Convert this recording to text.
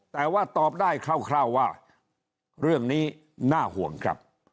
แต่ว่าตอบได้คร่าวว่าเรื่องนี้น่าห่วงครับ